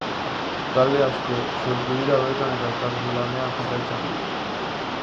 Talde asko sortu dira bertan eta elkarlanean jarraitzen dute.